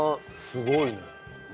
すごいね。